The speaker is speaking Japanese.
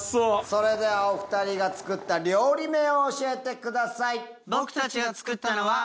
それではお２人が作った料理名を教えてください。